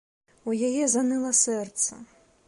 У яе заныла сэрца.